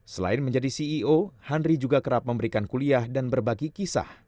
selain menjadi ceo henry juga kerap memberikan kuliah dan berbagi kisah